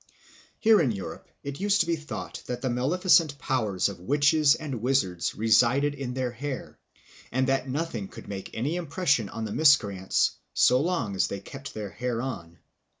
Here in Europe it used to be thought that the maleficent powers of witches and wizards resided in their hair, and that nothing could make any impression on the miscreants so long as they kept their hair on.